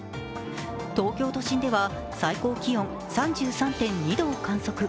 東京都心では最高気温３３．２度を観測。